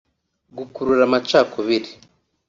gukurura amacakubiri